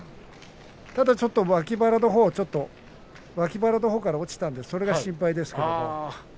ただ、ちょっと脇腹のほう脇腹のほうから落ちたのでそれが、ちょっと心配ですね。